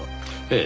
ええ。